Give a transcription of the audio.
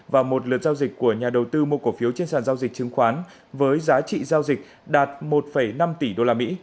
và một lượt giao dịch của nhà đầu tư mua cổ phiếu trên sàn giao dịch chứng khoán với giá trị giao dịch đạt một năm tỷ usd